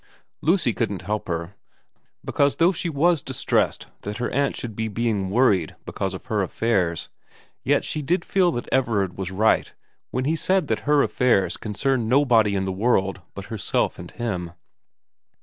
Lucy couldn't help her, because though she was distressed that her aunt should be being worried because of her affairs, yet she did feel that Everard was right when he said that her affairs concerned nobody in the world but herself and him.